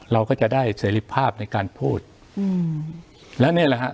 เราก็จะได้เสรีภาพในการพูดอืมแล้วนี่แหละฮะ